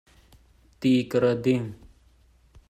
Ti ka rak ding.